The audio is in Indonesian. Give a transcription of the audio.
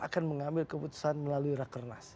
akan mengambil keputusan melalui rakernas